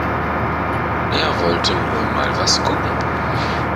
Er wollte nur mal was gucken.